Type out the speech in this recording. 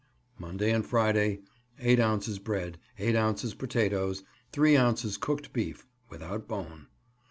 Monday and Friday 8 ounces bread, 8 ounces potatoes, 3 ounces cooked beef (without bone).